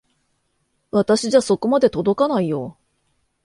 私じゃそこまで届かないよ。